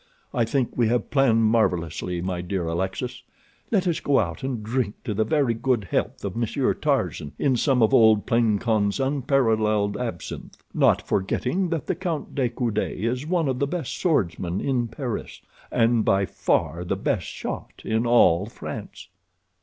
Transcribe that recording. I think we have planned marvelously, my dear Alexis. Let us go out and drink to the very good health of Monsieur Tarzan in some of old Plancon's unparalleled absinth; not forgetting that the Count de Coude is one of the best swordsmen in Paris, and by far the best shot in all France."